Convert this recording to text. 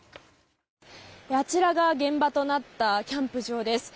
あちらが現場となったキャンプ場です。